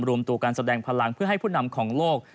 รวมตัวการแสดงพลังเพื่อให้ผู้นำของโลก